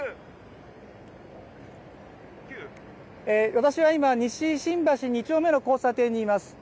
私は今、西新橋２丁目の交差点にいます。